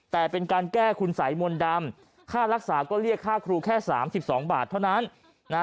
แต่เป็นการแก้คุณสัยมนต์ดำค่ารักษาก็เรียกค่าครูแค่๓๒บาทเท่านั้นนะฮะ